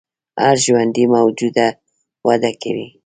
هر ژوندی موجود وده کوي